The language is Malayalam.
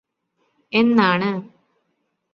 എന്നാണ്